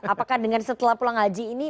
apakah dengan setelah pulang haji ini